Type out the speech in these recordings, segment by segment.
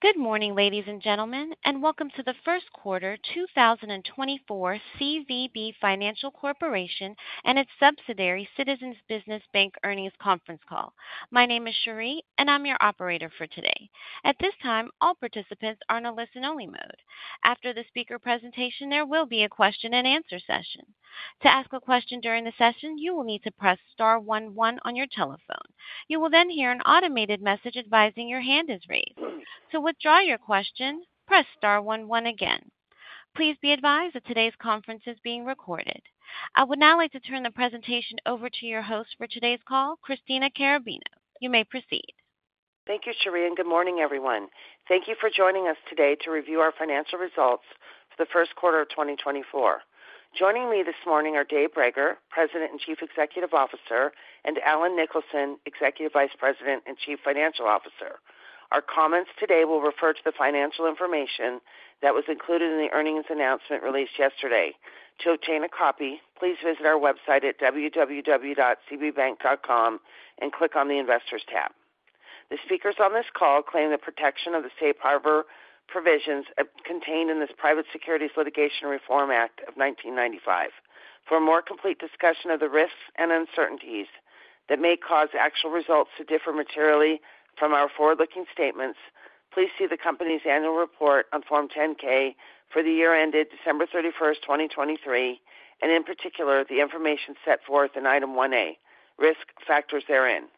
Good morning, ladies and gentlemen, and welcome to the first quarter 2024 CVB Financial Corp. and its subsidiary, Citizens Business Bank Earnings Conference Call. My name is Cherie, and I'm your operator for today. At this time, all participants are in a listen-only mode. After the speaker presentation, there will be a question-and-answer session. To ask a question during the session, you will need to press star one one on your telephone. You will then hear an automated message advising your hand is raised. To withdraw your question, press star one one again. Please be advised that today's conference is being recorded. I would now like to turn the presentation over to your host for today's call, Christina Carrabino. You may proceed. Thank you, Cherie, and good morning, everyone. Thank you for joining us today to review our financial results for the first quarter of 2024. Joining me this morning are Dave Brager, President and Chief Executive Officer, and Allen Nicholson, Executive Vice President and Chief Financial Officer. Our comments today will refer to the financial information that was included in the earnings announcement released yesterday. To obtain a copy, please visit our website at www.cbbank.com and click on the Investors tab. The speakers on this call claim the protection of the Safe Harbor Provisions contained in this Private Securities Litigation Reform Act of 1995. For a more complete discussion of the risks and uncertainties that may cause actual results to differ materially from our forward-looking statements, please see the company's annual report on Form 10-K for the year ended December 31, 2023, and in particular, the information set forth in Item 1A, Risk Factors therein.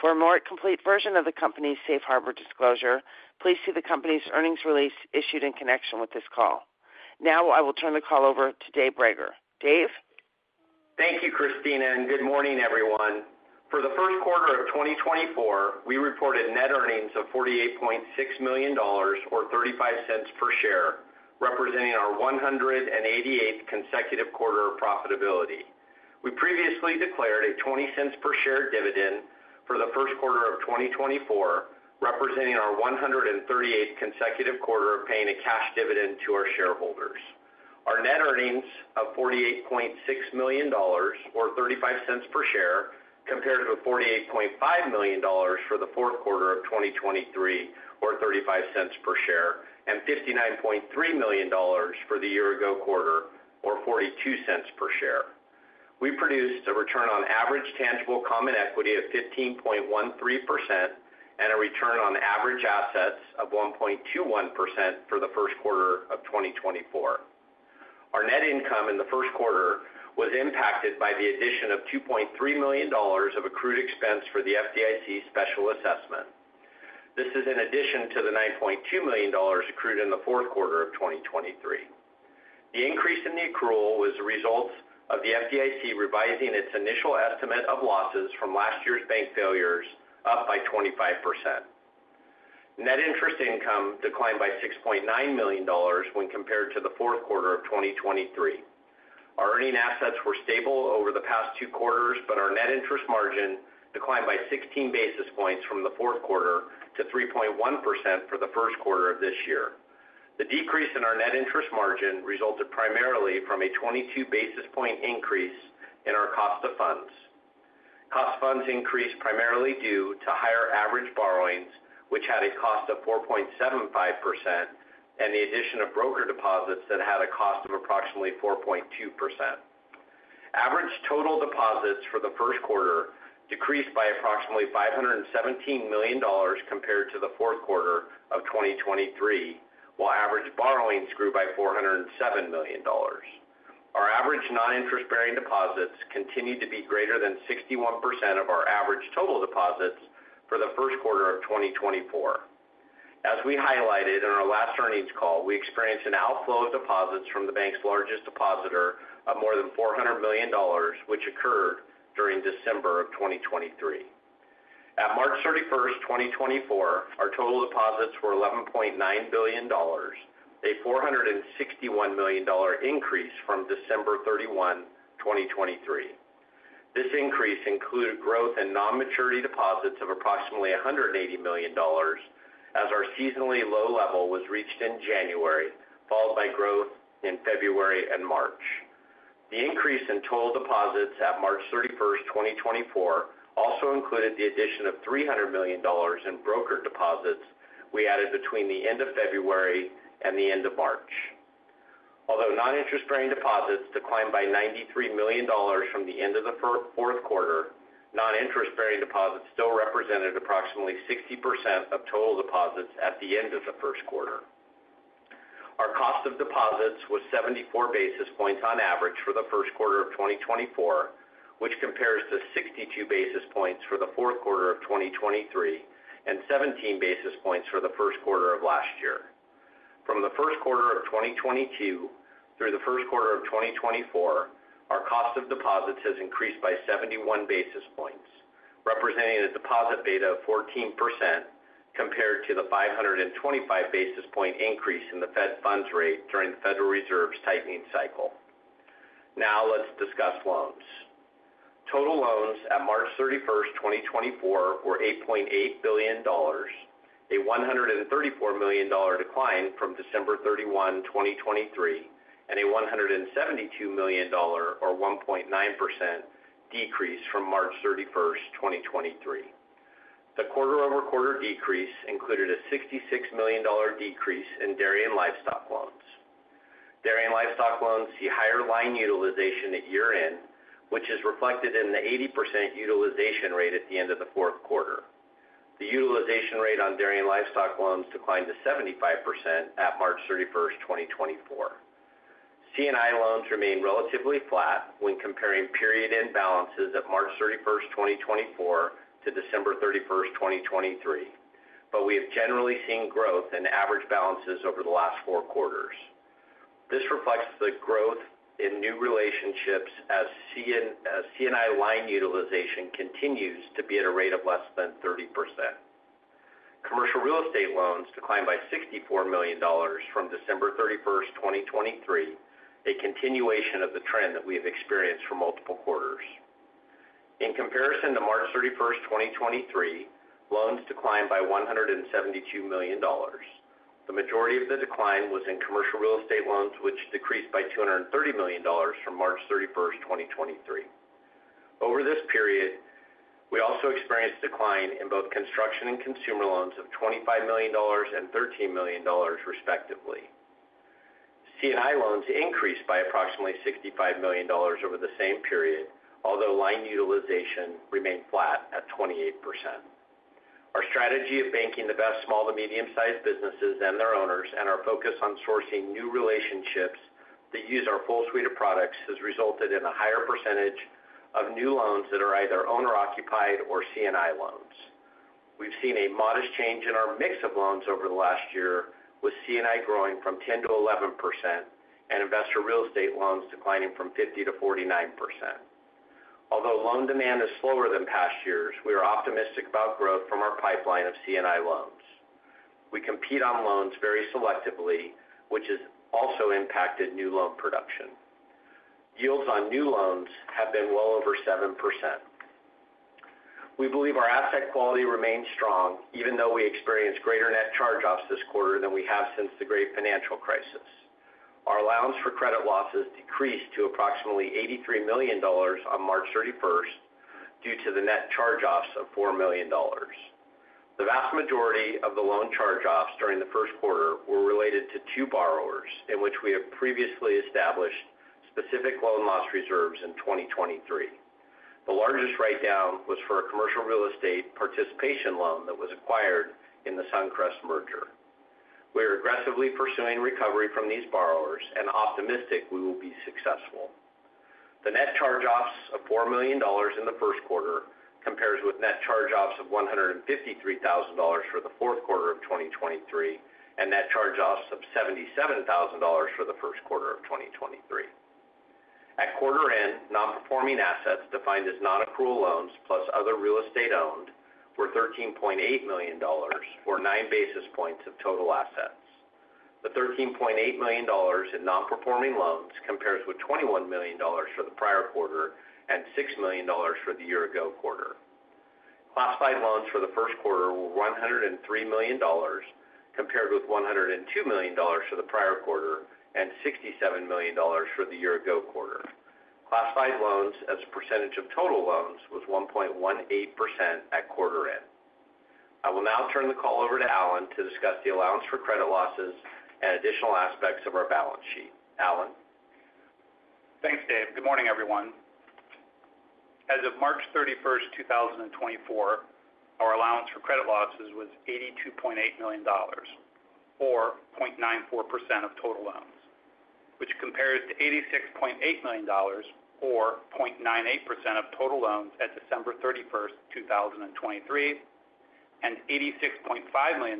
For a more complete version of the company's Safe Harbor disclosure, please see the company's earnings release issued in connection with this call. Now I will turn the call over to Dave Brager. Dave? Thank you, Christina, and good morning, everyone. For the first quarter of 2024, we reported net earnings of $48.6 million or $0.35 per share, representing our 188 consecutive quarter of profitability. We previously declared a $0.20 per share dividend for the first quarter of 2024, representing our 138 consecutive quarter of paying a cash dividend to our shareholders. Our net earnings of $48.6 million or $0.35 per share, compared to $48.5 million for the fourth quarter of 2023, or $0.35 per share, and $59.3 million for the year ago quarter or $0.42 per share. We produced a return on average tangible common equity of 15.13% and a return on average assets of 1.21% for the first quarter of 2024. Our net income in the first quarter was impacted by the addition of $2.3 million of accrued expense for the FDIC special assessment. This is in addition to the $9.2 million accrued in the fourth quarter of 2023. The increase in the accrual was a result of the FDIC revising its initial estimate of losses from last year's bank failures up by 25%. Net interest income declined by $6.9 million when compared to the fourth quarter of 2023. Our earning assets were stable over the past two quarters, but our net interest margin declined by 16 basis points from the fourth quarter to 3.1% for the first quarter of this year. The decrease in our net interest margin resulted primarily from a 22 basis point increase in our cost of funds. Cost of funds increased primarily due to higher average borrowings, which had a cost of 4.75%, and the addition of broker deposits that had a cost of approximately 4.2%. Average total deposits for the first quarter decreased by approximately $517 million compared to the fourth quarter of 2023, while average borrowings grew by $407 million. Our average non-interest-bearing deposits continued to be greater than 61% of our average total deposits for the first quarter of 2024. As we highlighted in our last earnings call, we experienced an outflow of deposits from the bank's largest depositor of more than $400 million, which occurred during December of 2023. At March 31st, 2024, our total deposits were $11.9 billion, a $461 million increase from December 31, 2023. This increase included growth in non-maturity deposits of approximately $180 million, as our seasonally low level was reached in January, followed by growth in February and March. The increase in total deposits at March 31st, 2024, also included the addition of $300 million in broker deposits we added between the end of February and the end of March. Although non-interest-bearing deposits declined by $93 million from the end of the fourth quarter, non-interest-bearing deposits still represented approximately 60% of total deposits at the end of the first quarter. Our cost of deposits was 74 basis points on average for the first quarter of 2024, which compares to 62 basis points for the fourth quarter of 2023 and 17 basis points for the first quarter of last year. From the first quarter of 2022 through the first quarter of 2024, our cost of deposits has increased by 71 basis points, representing a deposit beta of 14%, compared to the 525 basis point increase in the Fed funds rate during the Federal Reserve's tightening cycle. Now let's discuss loans. Total loans at March 31, 2024, were $8.8 billion, a $134 million decline from December 31, 2023, and a $172 million or 1.9% decrease from March 31, 2023. The quarter-over-quarter decrease included a $66 million decrease in dairy and livestock loans. Dairy and livestock loans see higher line utilization at year-end, which is reflected in the 80% utilization rate at the end of the fourth quarter. The utilization rate on dairy and livestock loans declined to 75% at March 31st, 2024. C&I loans remained relatively flat when comparing period-end balances at March 31st, 2024 to December 31st, 2023, but we have generally seen growth in average balances over the last four quarters. This reflects the growth in new relationships as C&I line utilization continues to be at a rate of less than 30%. Commercial real estate loans declined by $64 million from December 31st, 2023, a continuation of the trend that we have experienced for multiple quarters. In comparison to March 31st, 2023, loans declined by $172 million. The majority of the decline was in commercial real estate loans, which decreased by $230 million from March 31st, 2023. Over this period, we also experienced decline in both construction and consumer loans of $25 million and $13 million, respectively. C&I loans increased by approximately $65 million over the same period, although line utilization remained flat at 28%. Our strategy of banking the best small to medium-sized businesses and their owners, and our focus on sourcing new relationships that use our full suite of products, has resulted in a higher percentage of new loans that are either owner-occupied or C&I loans. We've seen a modest change in our mix of loans over the last year, with C&I growing from 10% to 11% and investor real estate loans declining from 50% to 49%. Although loan demand is slower than past years, we are optimistic about growth from our pipeline of C&I loans. We compete on loans very selectively, which has also impacted new loan production. Yields on new loans have been well over 7%. We believe our asset quality remains strong, even though we experienced greater net charge-offs this quarter than we have since the Great Financial Crisis. Our allowance for credit losses decreased to approximately $83 million on March 31st, due to the net charge-offs of $4 million. The vast majority of the loan charge-offs during the first quarter were related to two borrowers in which we have previously established specific loan loss reserves in 2023. The largest write-down was for a commercial real estate participation loan that was acquired in the Suncrest merger. We are aggressively pursuing recovery from these borrowers and optimistic we will be successful. The net charge-offs of $4 million in the first quarter compares with net charge-offs of $153,000 for the fourth quarter of 2023, and net charge-offs of $77,000 for the first quarter of 2023. At quarter end, nonperforming assets, defined as nonaccrual loans plus other real estate owned, were $13.8 million, or 9 basis points of total assets. The $13.8 million in nonperforming loans compares with $21 million for the prior quarter and $6 million for the year-ago quarter. Classified loans for the first quarter were $103 million, compared with $102 million for the prior quarter and $67 million for the year-ago quarter. Classified loans as a percentage of total loans was 1.18% at quarter end. I will now turn the call over to Allen to discuss the allowance for credit losses and additional aspects of our balance sheet. Allen? Thanks, Dave. Good morning, everyone. As of March 31st, 2024, our allowance for credit losses was $82.8 million, or 0.94% of total loans, which compares to $86.8 million, or 0.98% of total loans at December 31st, 2023, and $86.5 million,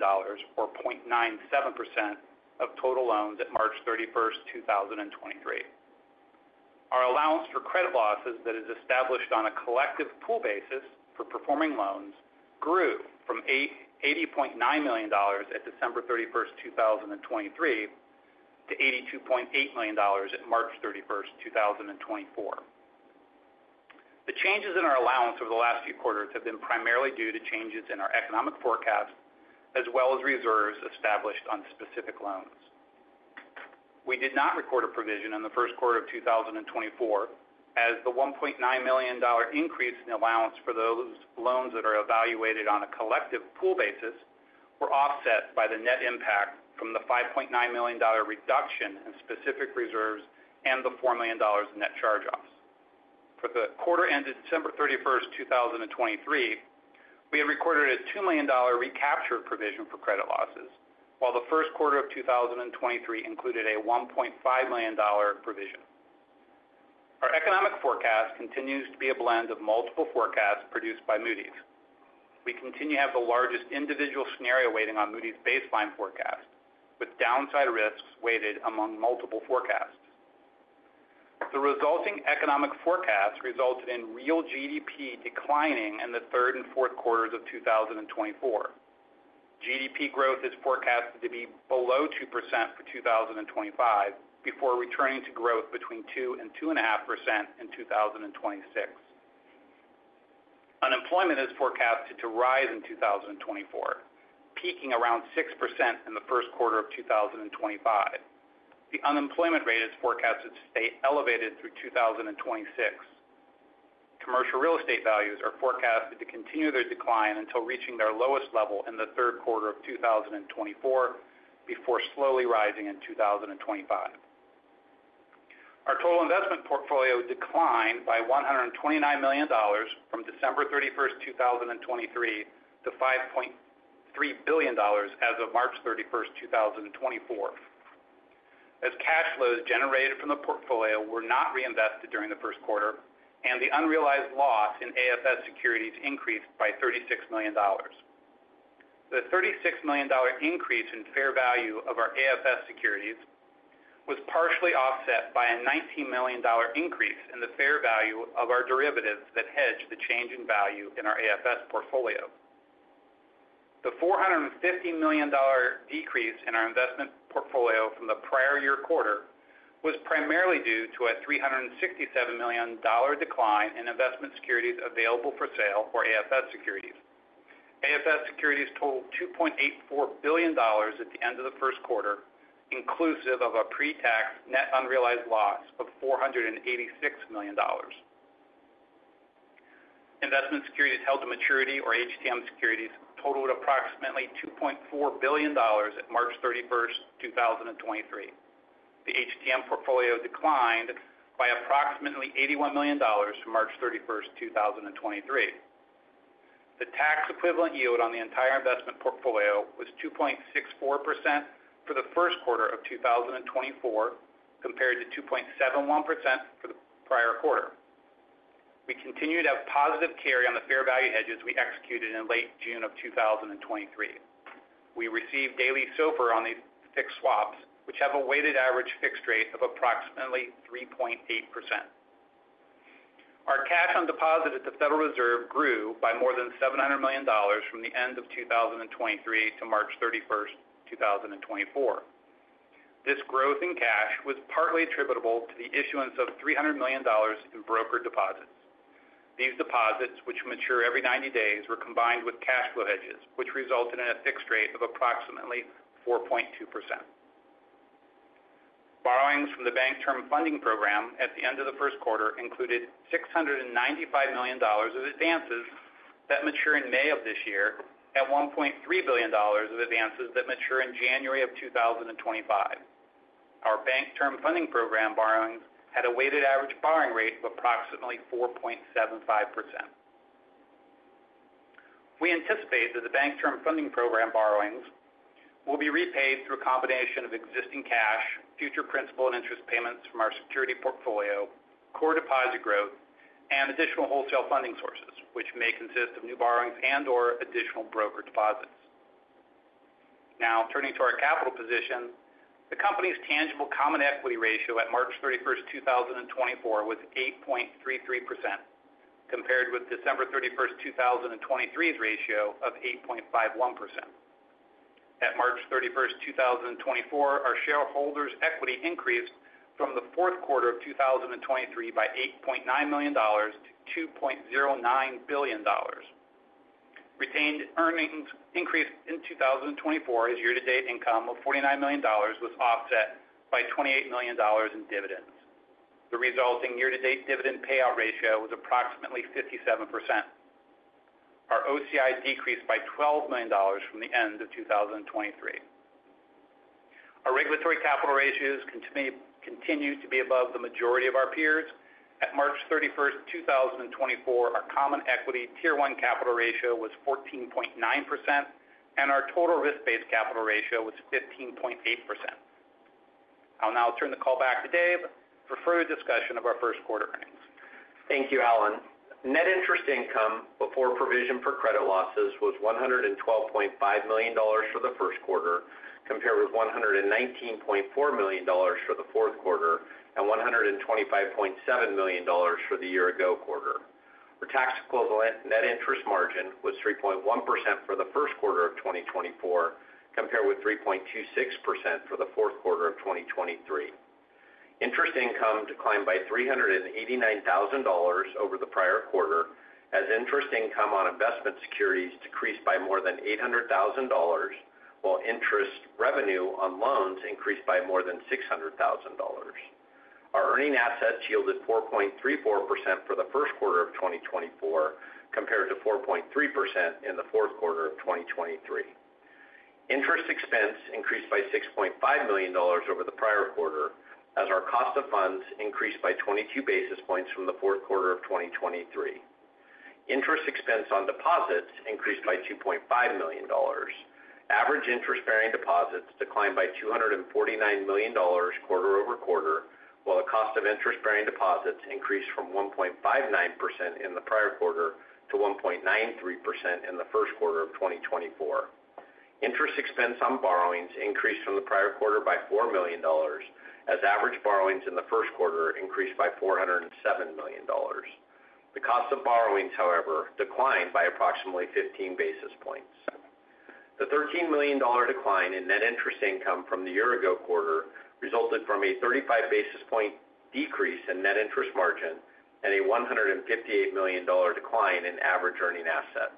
or 0.97% of total loans at March 31st, 2023. Our allowance for credit losses that is established on a collective pool basis for performing loans grew from $80.9 million at December 31st, 2023, to $82.8 million at March 31st, 2024. The changes in our allowance over the last few quarters have been primarily due to changes in our economic forecast, as well as reserves established on specific loans. We did not record a provision in the first quarter of 2024, as the $1.9 million increase in allowance for those loans that are evaluated on a collective pool basis were offset by the net impact from the $5.9 million reduction in specific reserves and the $4 million net charge-offs. For the quarter ended December 31st, 2023, we had recorded a $2 million recapture provision for credit losses, while the first quarter of 2023 included a $1.5 million provision. Our economic forecast continues to be a blend of multiple forecasts produced by Moody's. We continue to have the largest individual scenario weighting on Moody's baseline forecast, with downside risks weighted among multiple forecasts. The resulting economic forecast resulted in real GDP declining in the third and fourth quarters of 2024. GDP growth is forecasted to be below 2% for 2025 before returning to growth between 2% and 2.5% in 2026. Unemployment is forecasted to rise in 2024, peaking around 6% in the first quarter of 2025. The unemployment rate is forecasted to stay elevated through 2026. Commercial real estate values are forecasted to continue their decline until reaching their lowest level in the third quarter of 2024, before slowly rising in 2025. Our total investment portfolio declined by $129 million from December 31st, 2023, to $5.3 billion as of March 31st, 2024. As cash flows generated from the portfolio were not reinvested during the first quarter, and the unrealized loss in AFS securities increased by $36 million. The $36 million increase in fair value of our AFS securities was partially offset by a $19 million increase in the fair value of our derivatives that hedge the change in value in our AFS portfolio. The $450 million decrease in our investment portfolio from the prior year quarter was primarily due to a $367 million decline in investment securities available for sale or AFS securities. AFS securities totaled $2.84 billion at the end of the first quarter, inclusive of a pretax net unrealized loss of $486 million. Investment securities held to maturity or HTM securities totaled approximately $2.4 billion at March 31st, 2023. The HTM portfolio declined by approximately $81 million from March 31st, 2023. The tax equivalent yield on the entire investment portfolio was 2.64% for the first quarter of 2024, compared to 2.71% for the prior quarter. We continue to have positive carry on the fair value hedges we executed in late June of 2023. We receive daily SOFR on these fixed swaps, which have a weighted average fixed rate of approximately 3.8%. Our cash on deposit at the Federal Reserve grew by more than $700 million from the end of 2023 to March 31st, 2024. This growth in cash was partly attributable to the issuance of $300 million in broker deposits. These deposits, which mature every 90 days, were combined with cash flow hedges, which resulted in a fixed rate of approximately 4.2%. Borrowings from the Bank Term Funding Program at the end of the first quarter included $695 million of advances that mature in May of this year, at $1.3 billion of advances that mature in January of 2025. Our Bank Term Funding Program borrowings had a weighted average borrowing rate of approximately 4.75%. We anticipate that the Bank Term Funding Program borrowings will be repaid through a combination of existing cash, future principal and interest payments from our security portfolio, core deposit growth, and additional wholesale funding sources, which may consist of new borrowings and/or additional broker deposits. Now, turning to our capital position. The company's tangible common equity ratio at March 31st, 2024, was 8.33%, compared with December 31st, 2023's ratio of 8.51%. At March 31st, 2024, our shareholders' equity increased from the fourth quarter of 2023 by $8.9 million-$2.09 billion. Retained earnings increased in 2024 as year-to-date income of $49 million was offset by $28 million in dividends. The resulting year-to-date dividend payout ratio was approximately 57%. Our OCI decreased by $12 million from the end of 2023. Our regulatory capital ratios continue to be above the majority of our peers. At March 31st, 2024, our common equity Tier 1 capital ratio was 14.9%, and our total risk-based capital ratio was 15.8%. I'll now turn the call back to Dave for further discussion of our first quarter earnings. Thank you, Allen. Net interest income before provision for credit losses was $112.5 million for the first quarter, compared with $119.4 million for the fourth quarter and $125.7 million for the year ago quarter. The tax equivalent net interest margin was 3.1% for the first quarter of 2024, compared with 3.26% for the fourth quarter of 2023. Interest income declined by $389,000 over the prior quarter, as interest income on investment securities decreased by more than $800,000 while interest revenue on loans increased by more than $600,000. Our earning assets yielded 4.34% for the first quarter of 2024, compared to 4.3% in the fourth quarter of 2023. Interest expense increased by $6.5 million over the prior quarter, as our cost of funds increased by 22 basis points from the fourth quarter of 2023. Interest expense on deposits increased by $2.5 million. Average interest-bearing deposits declined by $249 million quarter-over-quarter, while the cost of interest-bearing deposits increased from 1.59% in the prior quarter to 1.93% in the first quarter of 2024. Interest expense on borrowings increased from the prior quarter by $4 million, as average borrowings in the first quarter increased by $407 million. The cost of borrowings, however, declined by approximately 15 basis points. The $13 million decline in net interest income from the year ago quarter resulted from a 35 basis point decrease in net interest margin and a $158 million decline in average earning assets.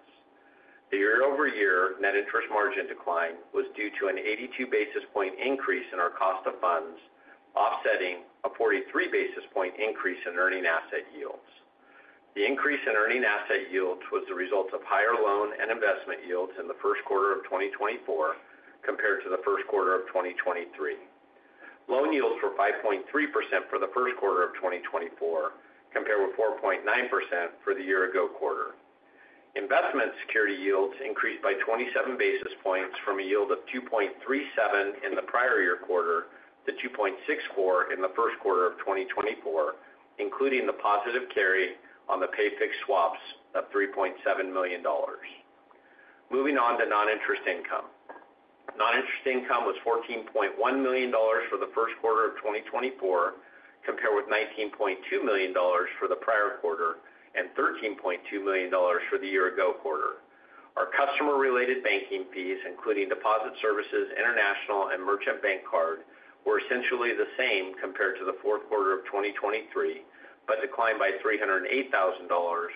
The year-over-year net interest margin decline was due to an 82 basis point increase in our cost of funds, offsetting a 43 basis point increase in earning asset yields. The increase in earning asset yields was the result of higher loan and investment yields in the first quarter of 2024 compared to the first quarter of 2023. Loan yields were 5.3% for the first quarter of 2024, compared with 4.9% for the year ago quarter. Investment security yields increased by 27 basis points from a yield of 2.37 in the prior year quarter to 2.64 in the first quarter of 2024, including the positive carry on the pay-fixed swaps of $3.7 million. Moving on to non-interest income. Non-interest income was $14.1 million for the first quarter of 2024, compared with $19.2 million for the prior quarter and $13.2 million for the year ago quarter. Our customer-related banking fees, including deposit services, international, and merchant bank card, were essentially the same compared to the fourth quarter of 2023, but declined by $308,000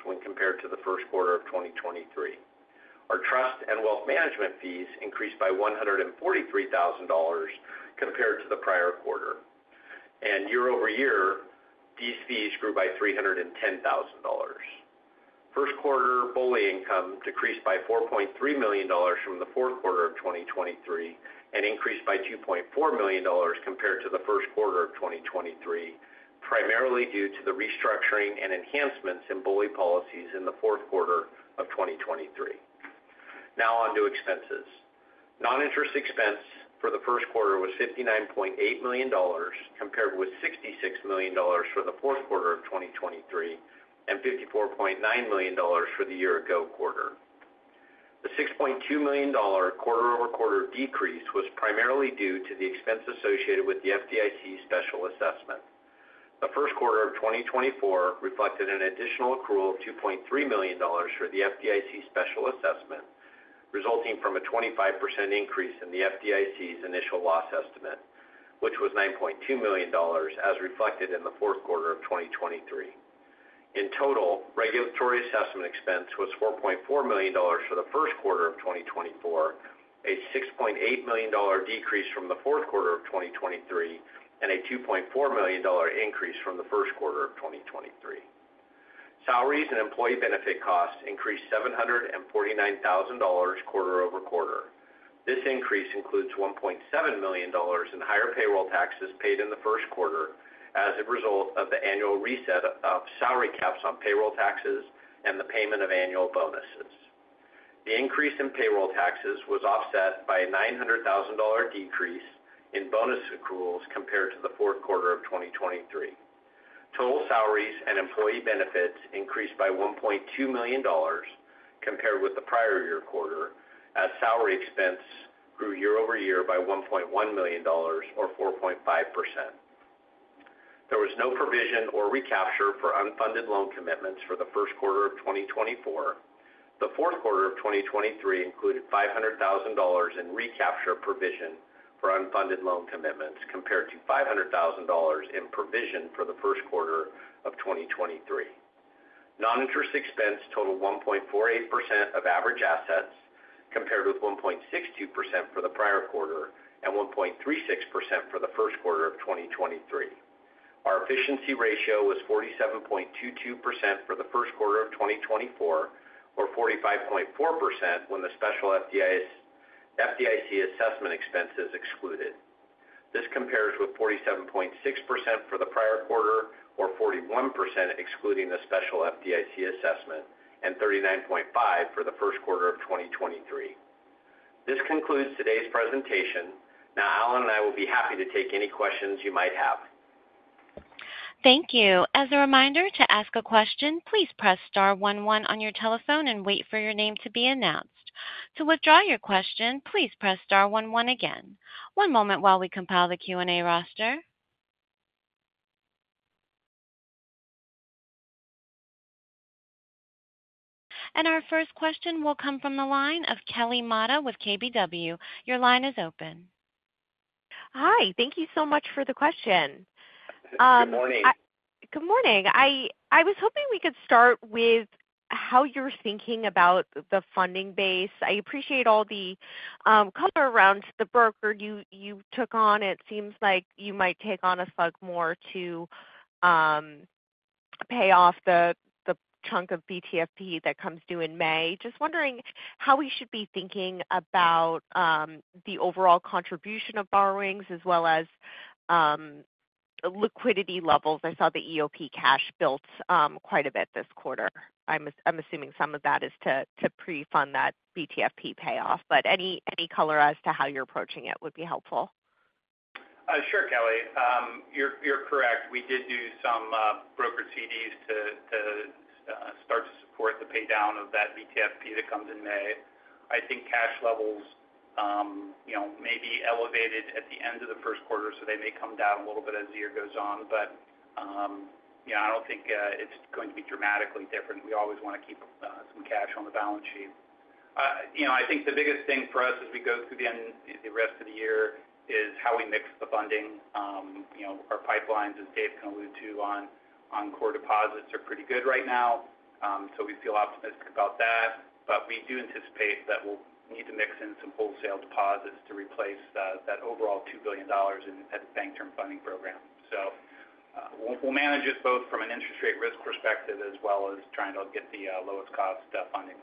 when compared to the first quarter of 2023. Our trust and wealth management fees increased by $143,000 compared to the prior quarter, and year-over-year, these fees grew by $310,000. First quarter BOLI income decreased by $4.3 million from the fourth quarter of 2023 and increased by $2.4 million compared to the first quarter of 2023, primarily due to the restructuring and enhancements in BOLI policies in the fourth quarter of 2023. Now on to expenses. Non-interest expense for the first quarter was $59.8 million, compared with $66 million for the fourth quarter of 2023, and $54.9 million for the year-ago quarter. The $6.2 million quarter-over-quarter decrease was primarily due to the expense associated with the FDIC special assessment. The first quarter of 2024 reflected an additional accrual of $2.3 million for the FDIC special assessment, resulting from a 25% increase in the FDIC's initial loss estimate, which was $9.2 million, as reflected in the fourth quarter of 2023. In total, regulatory assessment expense was $4.4 million for the first quarter of 2024, a $6.8 million decrease from the fourth quarter of 2023, and a $2.4 million increase from the first quarter of 2023. Salaries and employee benefit costs increased $749,000 quarter-over-quarter. This increase includes $1.7 million in higher payroll taxes paid in the first quarter as a result of the annual reset of salary caps on payroll taxes and the payment of annual bonuses. The increase in payroll taxes was offset by a $900,000 decrease in bonus accruals compared to the fourth quarter of 2023. Total salaries and employee benefits increased by $1.2 million compared with the prior year quarter, as salary expense grew year-over-year by $1.1 million or 4.5%. There was no provision or recapture for unfunded loan commitments for the first quarter of 2024. The fourth quarter of 2023 included $500,000 in recapture provision for unfunded loan commitments, compared to $500,000 in provision for the first quarter of 2023. Non-interest expense totaled 1.48% of average assets, compared with 1.62% for the prior quarter and 1.36% for the first quarter of 2023. Our efficiency ratio was 47.22% for the first quarter of 2024, or 45.4% when the special FDIC assessment expense is excluded. This compares with 47.6% for the prior quarter, or 41%, excluding the special FDIC assessment, and 39.5% for the first quarter of 2023. This concludes today's presentation. Now, Allen and I will be happy to take any questions you might have. Thank you. As a reminder to ask a question, please press star one one on your telephone and wait for your name to be announced. To withdraw your question, please press star one one again. One moment while we compile the Q&A roster. Our first question will come from the line of Kelly Motta with KBW. Your line is open. Hi, thank you so much for the question. Good morning. Good morning. I was hoping we could start with how you're thinking about the funding base. I appreciate all the color around the brokered you took on. It seems like you might take on a slug more to pay off the chunk of BTFP that comes due in May. Just wondering how we should be thinking about the overall contribution of borrowings as well as liquidity levels. I saw the EOP cash built quite a bit this quarter. I'm assuming some of that is to pre-fund that BTFP payoff, but any color as to how you're approaching it would be helpful. Sure, Kelly. You're correct. We did do some brokered CDs to start to support the paydown of that BTFP that comes in May. I think cash levels you know, maybe elevated at the end of the first quarter, so they may come down a little bit as the year goes on. But, yeah, I don't think it's going to be dramatically different. We always want to keep some cash on the balance sheet. You know, I think the biggest thing for us as we go through the rest of the year is how we mix the funding. You know, our pipelines, as Dave can allude to, on core deposits are pretty good right now, so we feel optimistic about that. But we do anticipate that we'll need to mix in some wholesale deposits to replace that overall $2 billion in at the Bank Term Funding Program. So, we'll, we'll manage it both from an interest rate risk perspective as well as trying to get the lowest cost funding.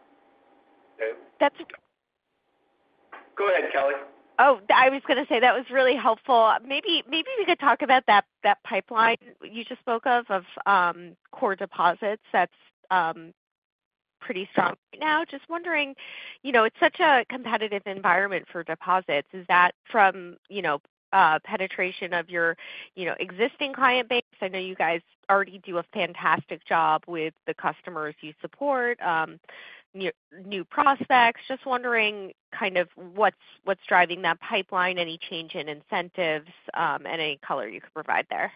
Dave? That's- Go ahead, Kelly. Oh, I was going to say that was really helpful. Maybe we could talk about that pipeline you just spoke of, of core deposits that's pretty strong right now. Just wondering, you know, it's such a competitive environment for deposits. Is that from, you know, penetration of your, you know, existing client base? I know you guys already do a fantastic job with the customers you support, new prospects. Just wondering kind of what's driving that pipeline, any change in incentives, any color you can provide there?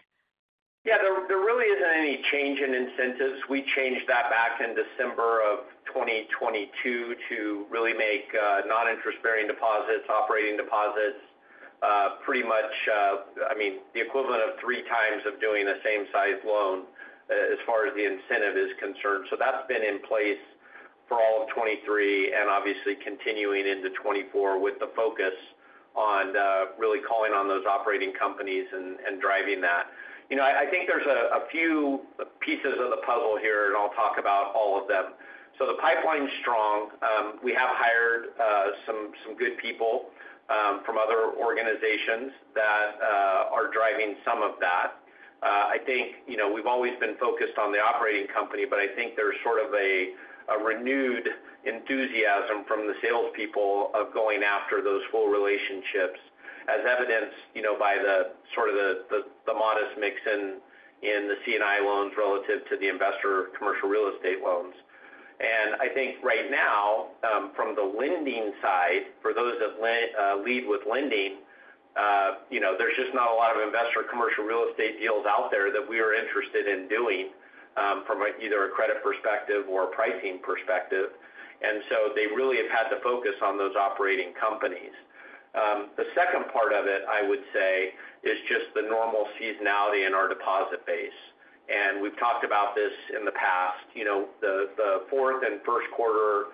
Yeah, there, there really isn't any change in incentives. We changed that back in December of 2022 to really make non-interest-bearing deposits, operating deposits, pretty much, I mean, the equivalent of three times of doing the same size loan as far as the incentive is concerned. So that's been in place for all of 2023, and obviously continuing into 2024, with the focus on really calling on those operating companies and driving that. You know, I think there's a few pieces of the puzzle here, and I'll talk about all of them. So the pipeline's strong. We have hired some good people from other organizations that are driving some of that. I think, you know, we've always been focused on the operating company, but I think there's sort of a renewed enthusiasm from the salespeople of going after those full relationships, as evidenced, you know, by the sort of the modest mix in the C&I loans relative to the investor commercial real estate loans. And I think right now, from the lending side, for those that lead with lending, you know, there's just not a lot of investor commercial real estate deals out there that we are interested in doing, from either a credit perspective or a pricing perspective. And so they really have had to focus on those operating companies. The second part of it, I would say, is just the normal seasonality in our deposit base. And we've talked about this in the past. You know, the fourth and first quarter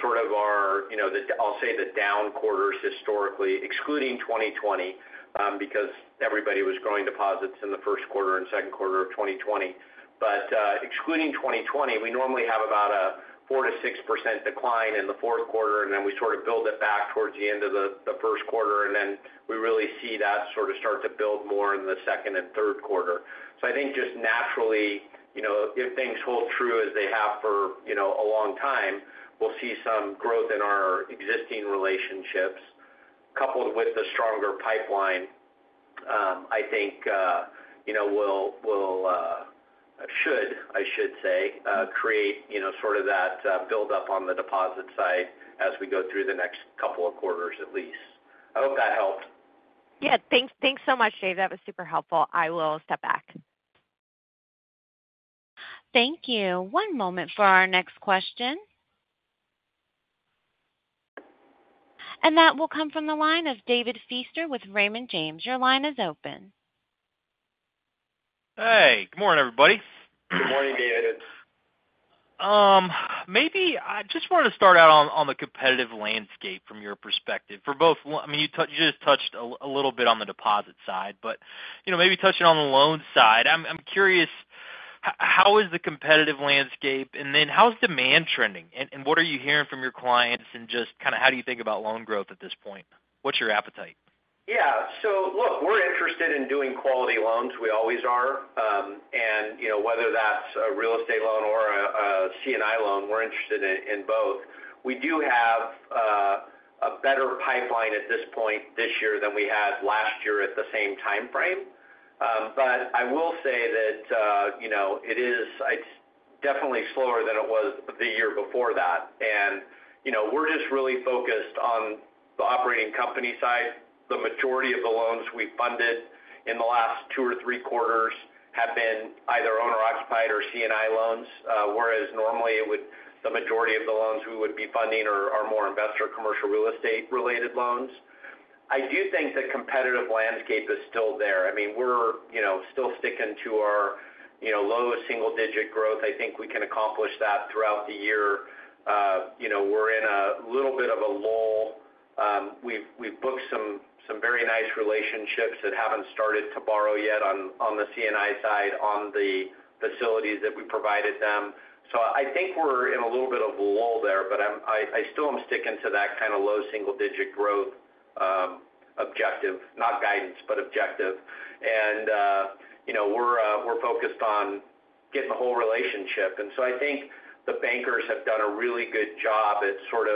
sort of are, you know, the—I'll say, the down quarters historically, excluding 2020, because everybody was growing deposits in the first quarter and second quarter of 2020. But excluding 2020, we normally have about a 4%-6% decline in the fourth quarter, and then we sort of build it back towards the end of the first quarter, and then we really see that sort of start to build more in the second and third quarter. So I think just naturally, you know, if things hold true as they have for, you know, a long time, we'll see some growth in our existing relationships, coupled with the stronger pipeline. I think, you know, we'll, I should say, create, you know, sort of that build-up on the deposit side as we go through the next couple of quarters, at least. I hope that helped. Yeah. Thanks, thanks so much, Dave. That was super helpful. I will step back. Thank you. One moment for our next question. That will come from the line of David Feaster with Raymond James. Your line is open. Hey, good morning, everybody. Good morning, David. Maybe I just wanted to start out on the competitive landscape from your perspective for both—I mean, you just touched a little bit on the deposit side, but, you know, maybe touching on the loan side. I'm curious, how is the competitive landscape, and then how is demand trending? And what are you hearing from your clients, and just kind of how do you think about loan growth at this point? What's your appetite? Yeah. So look, we're interested in doing quality loans, we always are. And, you know, whether that's a real estate loan or a C&I loan, we're interested in both. We do have a better pipeline at this point this year than we had last year at the same time frame. But I will say that, you know, it is. It's definitely slower than it was the year before that. And, you know, we're just really focused on the operating company side. The majority of the loans we funded in the last two or three quarters have been either owner-occupied or C&I loans, whereas normally it would, the majority of the loans we would be funding are more investor commercial real estate-related loans. I do think the competitive landscape is still there. I mean, we're, you know, still sticking to our, you know, lowest single digit growth. I think we can accomplish that throughout the year. You know, we're in a little bit of a lull. We've booked some very nice relationships that haven't started to borrow yet on the C&I side, on the facilities that we provided them. So I think we're in a little bit of a lull there, but I still am sticking to that kind of low single digit growth objective, not guidance, but objective. You know, we're focused on getting the whole relationship. And so I think the bankers have done a really good job at sort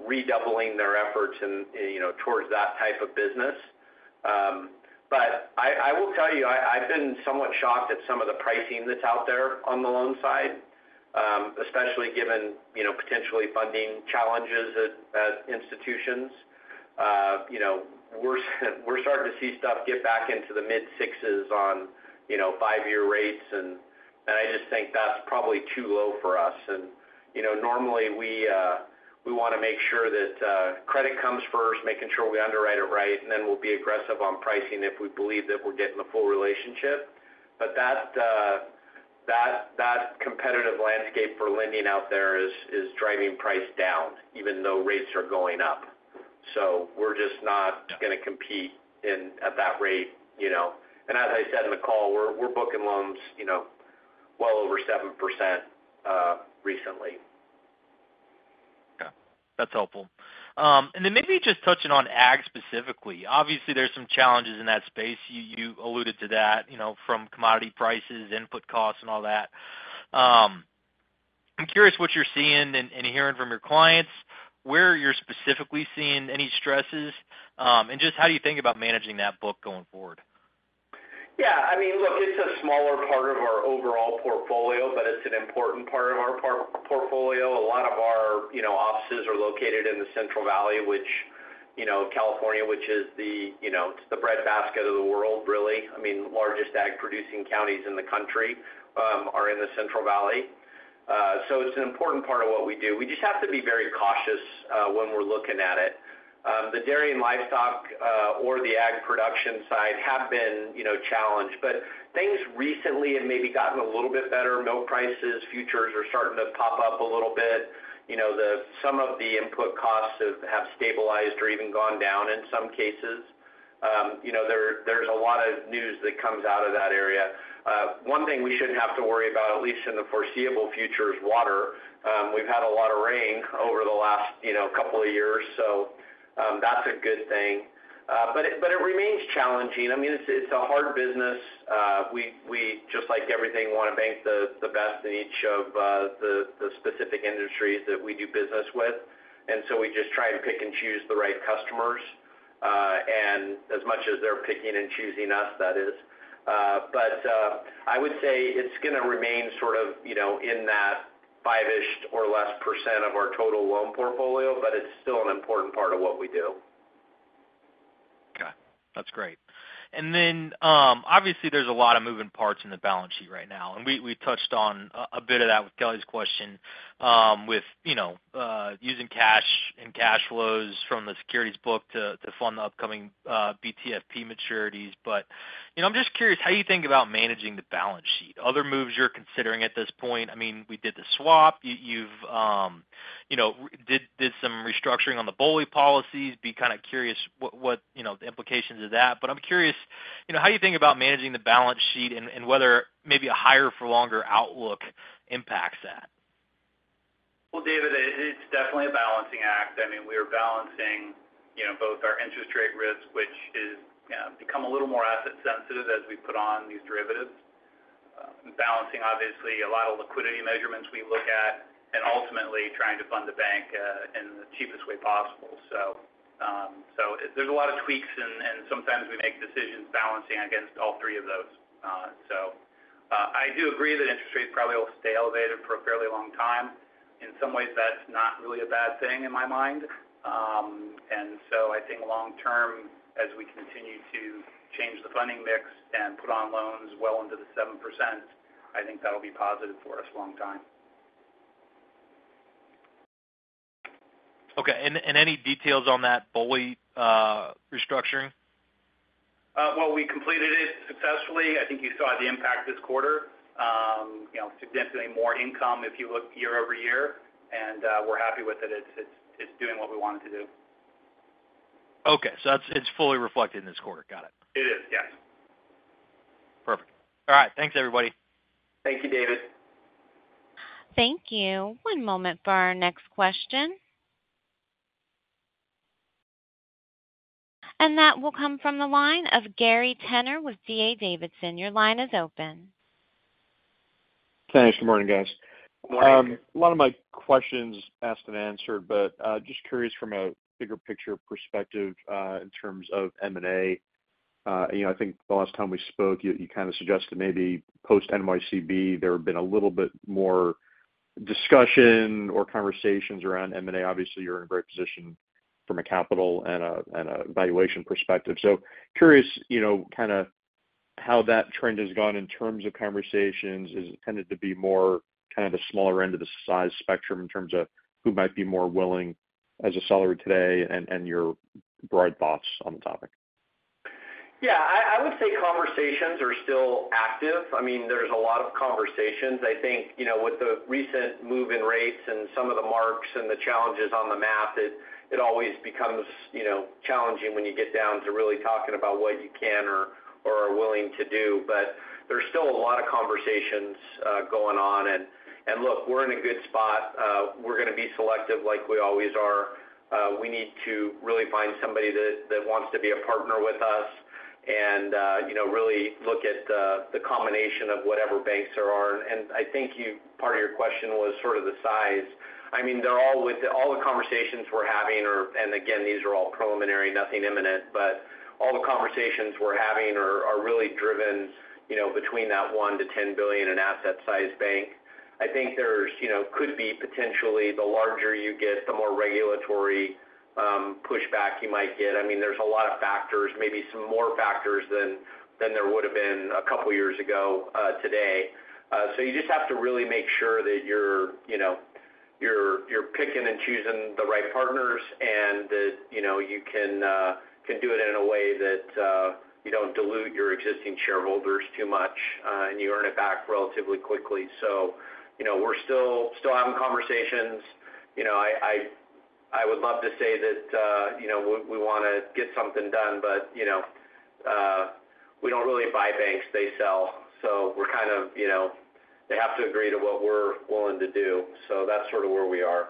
of redoubling their efforts in, you know, towards that type of business. But I will tell you, I've been somewhat shocked at some of the pricing that's out there on the loan side, especially given, you know, potentially funding challenges at institutions. You know, we're starting to see stuff get back into the mid-sixes on, you know, five-year rates, and I just think that's probably too low for us. And, you know, normally we want to make sure that credit comes first, making sure we underwrite it right, and then we'll be aggressive on pricing if we believe that we're getting the full relationship. But that competitive landscape for lending out there is driving price down, even though rates are going up. So we're just not going to compete in at that rate, you know. And as I said in the call, we're booking loans, you know, well over 7%, recently. Okay, that's helpful. And then maybe just touching on ag specifically. Obviously, there's some challenges in that space. You, you alluded to that, you know, from commodity prices, input costs and all that. I'm curious what you're seeing and, and hearing from your clients, where you're specifically seeing any stresses, and just how you think about managing that book going forward? Yeah, I mean, look, it's a smaller part of our overall portfolio, but it's an important part of our portfolio. A lot of our, you know, offices are located in the Central Valley, which, you know, California, which is the, you know, it's the breadbasket of the world, really. I mean, largest ag producing counties in the country are in the Central Valley. So it's an important part of what we do. We just have to be very cautious when we're looking at it. The dairy and livestock or the ag production side have been, you know, challenged, but things recently have maybe gotten a little bit better. Milk prices, futures are starting to pop up a little bit. You know, some of the input costs have stabilized or even gone down in some cases. You know, there's a lot of news that comes out of that area. One thing we shouldn't have to worry about, at least in the foreseeable future, is water. We've had a lot of rain over the last, you know, couple of years, so, that's a good thing. But it remains challenging. I mean, it's a hard business. We just like everything want to bank the best in each of the specific industries that we do business with, and so we just try to pick and choose the right customers, and as much as they're picking and choosing us, that is. But, I would say it's going to remain sort of, you know, in that 5-ish or less percent of our total loan portfolio, but it's still an important part of what we do. Okay, that's great. And then, obviously, there's a lot of moving parts in the balance sheet right now, and we touched on a bit of that with Kelly's question, with, you know, using cash and cash flows from the securities book to fund the upcoming BTFP maturities. But, you know, I'm just curious how you think about managing the balance sheet, other moves you're considering at this point. I mean, we did the swap. You, you've, you know, did some restructuring on the BOLI policies. Be kind of curious what, you know, the implications of that. But I'm curious, you know, how you think about managing the balance sheet and whether maybe a higher for longer outlook impacts that? Well, David, it's definitely a balancing act. I mean, we are balancing, you know, both our interest rate risk, which is, you know, become a little more asset sensitive as we put on these derivatives. Balancing, obviously, a lot of liquidity measurements we look at, and ultimately, trying to fund the bank in the cheapest way possible. So, so there's a lot of tweaks and sometimes we make decisions balancing against all three of those. So, I do agree that interest rates probably will stay elevated for a fairly long time. In some ways, that's not really a bad thing in my mind. And so I think long term, as we continue to change the funding mix and put on loans well into the 7%, I think that'll be positive for us long term. Okay, and any details on that BOLI restructuring? Well, we completed it successfully. I think you saw the impact this quarter. You know, significantly more income if you look year-over-year, and we're happy with it. It's doing what we want it to do. Okay, so it's fully reflected in this quarter. Got it. It is, yes. Perfect. All right. Thanks, everybody. Thank you, David. Thank you. One moment for our next question. That will come from the line of Gary Tenner with D.A. Davidson. Your line is open. Thanks. Good morning, guys. Good morning. A lot of my questions asked and answered, but just curious from a bigger picture perspective, in terms of M&A. You know, I think the last time we spoke, you, you kind of suggested maybe post NYCB, there have been a little bit more discussion or conversations around M&A. Obviously, you're in a great position from a capital and a, and a valuation perspective. So curious, you know, kind of how that trend has gone in terms of conversations. Has it tended to be more kind of the smaller end of the size spectrum in terms of who might be more willing as a seller today and, and your broad thoughts on the topic? Yeah, I would say conversations are still active. I mean, there's a lot of conversations. I think, you know, with the recent move in rates and some of the marks and the challenges on the math, it always becomes, you know, challenging when you get down to really talking about what you can or are willing to do. But there's still a lot of conversations going on. And look, we're in a good spot. We're going to be selective like we always are. We need to really find somebody that wants to be a partner with us... and, you know, really look at the combination of whatever banks there are. And I think part of your question was sort of the size. I mean, they're all—all the conversations we're having are, and again, these are all preliminary, nothing imminent, but all the conversations we're having are really driven, you know, between that $1 billion-$10 billion in asset size bank. I think there's, you know, could be potentially, the larger you get, the more regulatory pushback you might get. I mean, there's a lot of factors, maybe some more factors than there would have been a couple of years ago, today. So you just have to really make sure that you're, you know, picking and choosing the right partners and that, you know, you can do it in a way that you don't dilute your existing shareholders too much, and you earn it back relatively quickly. So, you know, we're still having conversations. You know, I would love to say that, you know, we want to get something done, but, you know, we don't really buy banks, they sell. So we're kind of, you know, they have to agree to what we're willing to do. So that's sort of where we are.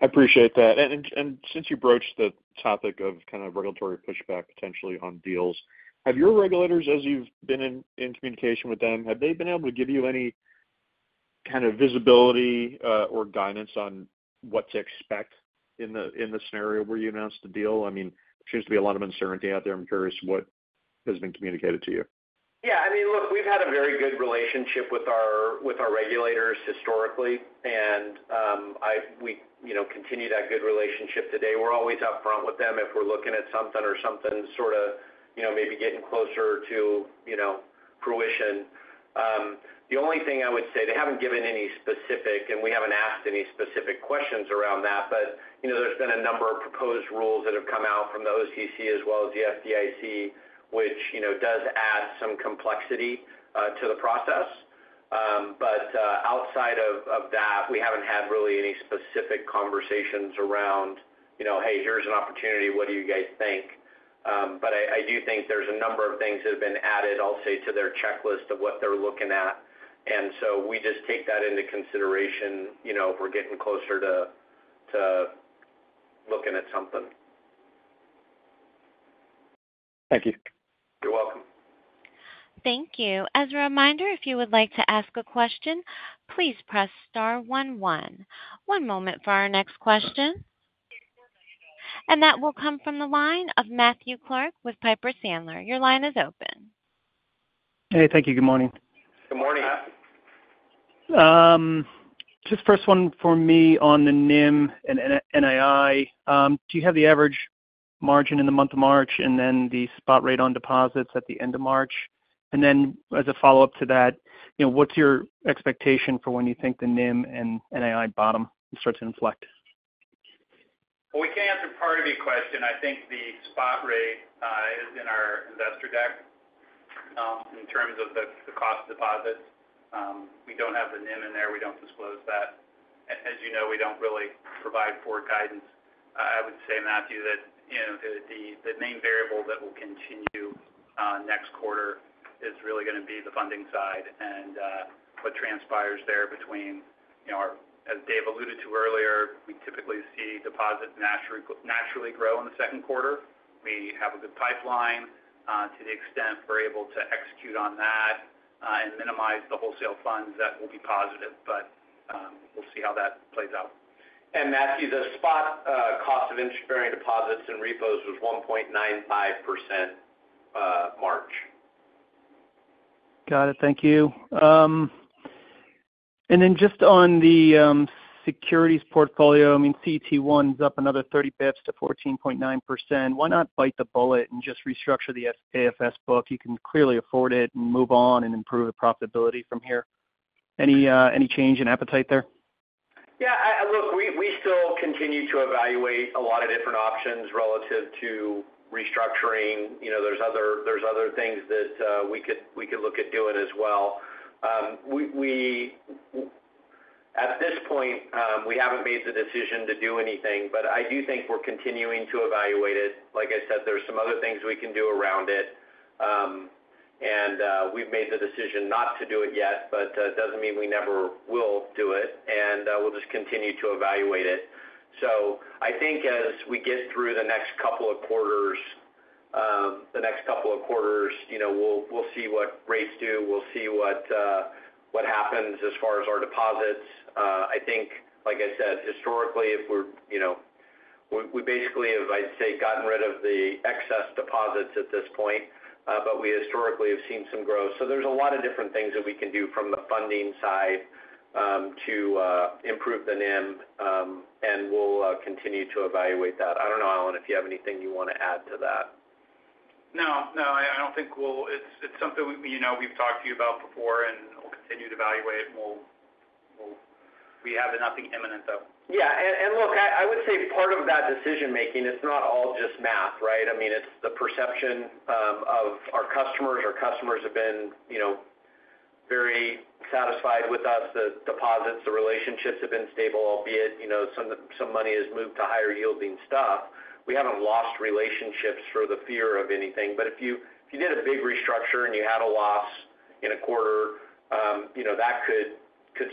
I appreciate that. And since you broached the topic of kind of regulatory pushback, potentially on deals, have your regulators, as you've been in communication with them, have they been able to give you any kind of visibility, or guidance on what to expect in the scenario where you announced the deal? I mean, there seems to be a lot of uncertainty out there. I'm curious what has been communicated to you. Yeah, I mean, look, we've had a very good relationship with our, with our regulators historically, and we, you know, continue that good relationship today. We're always up front with them if we're looking at something or something sort of, you know, maybe getting closer to, you know, fruition. The only thing I would say, they haven't given any specific, and we haven't asked any specific questions around that, but, you know, there's been a number of proposed rules that have come out from the OCC as well as the FDIC, which, you know, does add some complexity to the process. But outside of that, we haven't had really any specific conversations around, you know, "Hey, here's an opportunity. What do you guys think? But I do think there's a number of things that have been added, I'll say, to their checklist of what they're looking at. And so we just take that into consideration, you know, if we're getting closer to looking at something. Thank you. You're welcome. Thank you. As a reminder, if you would like to ask a question, please press star one, one. One moment for our next question. And that will come from the line of Matthew Clark with Piper Sandler. Your line is open. Hey, thank you. Good morning. Good morning. Just first one for me on the NIM and NII. Do you have the average margin in the month of March and then the spot rate on deposits at the end of March? And then as a follow-up to that, you know, what's your expectation for when you think the NIM and NII bottom and start to inflect? Well, we can answer part of your question. I think the spot rate is in our investor deck in terms of the cost of deposits. We don't have the NIM in there. We don't disclose that. As you know, we don't really provide forward guidance. I would say, Matthew, that, you know, the main variable that will continue next quarter is really going to be the funding side and what transpires there between, you know, as Dave alluded to earlier, we typically see deposits naturally, naturally grow in the second quarter. We have a good pipeline to the extent we're able to execute on that and minimize the wholesale funds, that will be positive, but we'll see how that plays out. Matthew, the spot cost of interest-bearing deposits and repos was 1.95%, March. Got it. Thank you. And then just on the securities portfolio, I mean, CET1 is up another 30 bps to 14.9%. Why not bite the bullet and just restructure the AFS book? You can clearly afford it and move on and improve the profitability from here. Any change in appetite there? Yeah, look, we still continue to evaluate a lot of different options relative to restructuring. You know, there's other things that we could look at doing as well. At this point, we haven't made the decision to do anything, but I do think we're continuing to evaluate it. Like I said, there are some other things we can do around it. And we've made the decision not to do it yet, but it doesn't mean we never will do it, and we'll just continue to evaluate it. So I think as we get through the next couple of quarters, the next couple of quarters, you know, we'll see what rates do, we'll see what happens as far as our deposits. I think, like I said, historically, if we're, you know, we basically have, I'd say, gotten rid of the excess deposits at this point, but we historically have seen some growth. So there's a lot of different things that we can do from the funding side, to improve the NIM, and we'll continue to evaluate that. I don't know, Allen, if you have anything you want to add to that. No, no, I don't think we'll. It's something, you know, we've talked to you about before, and we'll continue to evaluate, and we'll. We have nothing imminent, though. Yeah, and look, I would say part of that decision-making, it's not all just math, right? I mean, it's the perception of our customers. Our customers have been, you know, very satisfied with us. The deposits, the relationships have been stable, albeit, you know, some money has moved to higher yielding stuff. We haven't lost relationships for the fear of anything. But if you did a big restructure and you had a loss in a quarter, you know, that could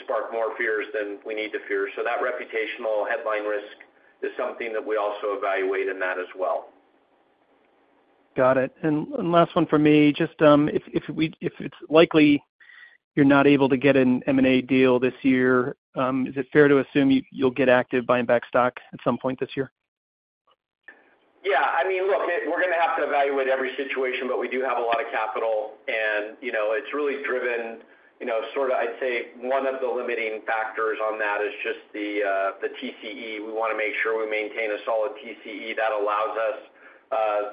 spark more fears than we need to fear. So that reputational headline risk is something that we also evaluate in that as well. Got it. And last one for me, just if it's likely you're not able to get an M&A deal this year, is it fair to assume you, you'll get active buying back stock at some point this year? Yeah, I mean, look, we're gonna have to evaluate every situation, but we do have a lot of capital, and, you know, it's really driven, you know, sort of I'd say one of the limiting factors on that is just the, the TCE. We wanna make sure we maintain a solid TCE that allows us,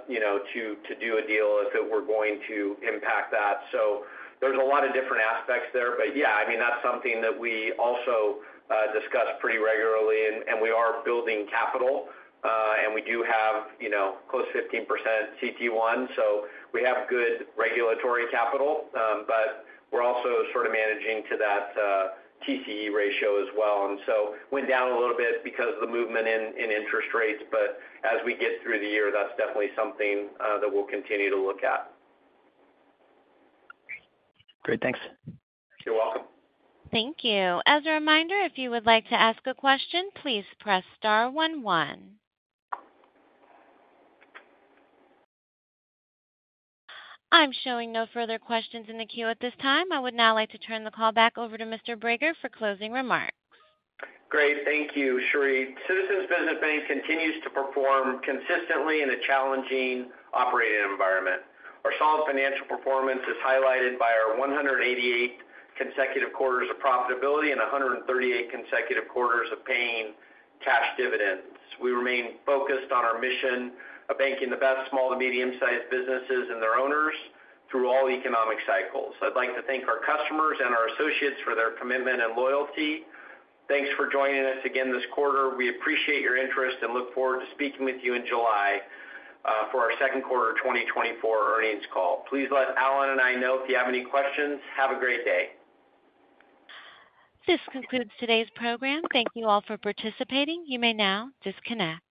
you know, to, to do a deal if it were going to impact that. So there's a lot of different aspects there. But yeah, I mean, that's something that we also, discuss pretty regularly, and, and we are building capital, and we do have, you know, close to 15% CET1, so we have good regulatory capital. But we're also sort of managing to that, TCE ratio as well. And so went down a little bit because of the movement in interest rates, but as we get through the year, that's definitely something that we'll continue to look at. Great, thanks. You're welcome. Thank you. As a reminder, if you would like to ask a question, please press star one, one. I'm showing no further questions in the queue at this time. I would now like to turn the call back over to Mr. Brager for closing remarks. Great, thank you, Cherie. Citizens Business Bank continues to perform consistently in a challenging operating environment. Our solid financial performance is highlighted by our 188 consecutive quarters of profitability and 138 consecutive quarters of paying cash dividends. We remain focused on our mission of banking the best small to medium-sized businesses and their owners through all economic cycles. I'd like to thank our customers and our associates for their commitment and loyalty. Thanks for joining us again this quarter. We appreciate your interest and look forward to speaking with you in July for our second quarter 2024 earnings call. Please let Allen and I know if you have any questions. Have a great day. This concludes today's program. Thank you all for participating. You may now disconnect.